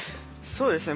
そうですね